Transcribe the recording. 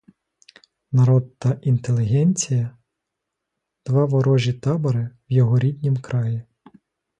Народ та інтелігенція — два ворожі табори в його ріднім краї.